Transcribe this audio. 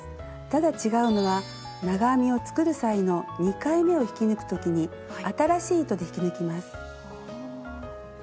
ただ違うのは長編みを作る際の２回めを引き抜く時に新しい糸で引き抜きます。